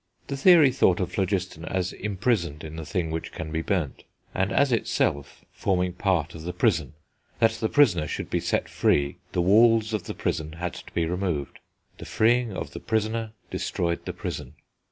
The theory thought of phlogiston as imprisoned in the thing which can be burnt, and as itself forming part of the prison; that the prisoner should be set free, the walls of the prison had to be removed; the freeing of the prisoner destroyed the prison.